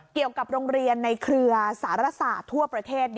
เกี่ยวกับโรงเรียนในเครือสารศาสตร์ทั่วประเทศ